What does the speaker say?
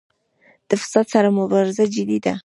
د فساد سره مبارزه جدي ده؟